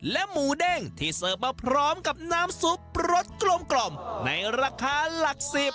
หมูเด้งที่เสิร์ฟมาพร้อมกับน้ำซุปรสกลมในราคาหลัก๑๐